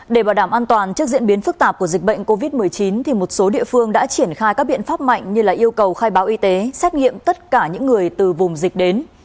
để bảo đảm an toàn trước diễn biến phức tạp của dịch bệnh covid một mươi chín một số địa phương đã triển khai các biện pháp mạnh như yêu cầu khai báo y tế xét nghiệm tất cả những người từ vùng dịch đến